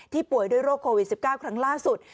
ที่ป่วยโรคโควิด๑๙ครั้งล่าสุด